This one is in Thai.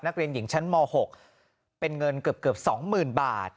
นักเรียนหญิงชั้นม๖เป็นเงินเกือบ๒๐๐๐บาท